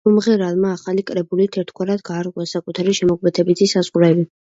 მომღერალმა ახალი კრებულით ერთგვარად გაარღვია საკუთარი შემოქმედებითი საზღვრები.